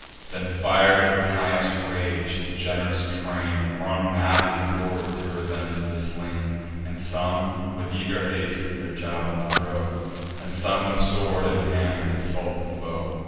Then, fir'd with pious rage, the gen'rous train Run madly forward to revenge the slain. And some with eager haste their jav'lins throw; And some with sword in hand assault the foe.